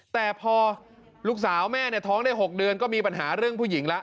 แต่พอลูกสาวแม่ท้องได้๖เดือนก็มีปัญหาเรื่องผู้หญิงแล้ว